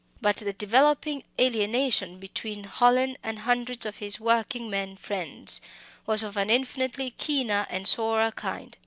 But the developing alienation between Hallin and hundreds of his working men friends was of an infinitely keener and sorer kind.